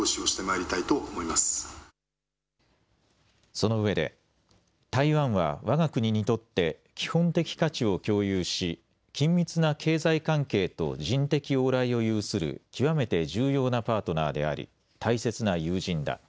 そのうえで台湾はわが国にとって基本的価値を共有し緊密な経済関係と人的往来を有する極めて重要なパートナーであり大切な友人だ。